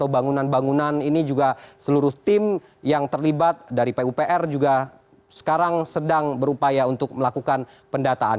bangunan bangunan ini juga seluruh tim yang terlibat dari pupr juga sekarang sedang berupaya untuk melakukan pendataan